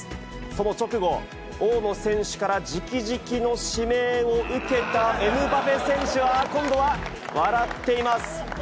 その直後、大野選手からじきじきの指名を受けたエムバペ選手は、今度は笑っています。